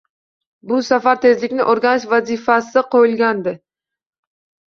Bu safar tezlikni o‘rganish vazifasi qo‘yilgandi